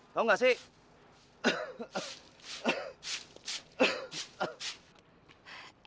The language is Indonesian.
kau gak sih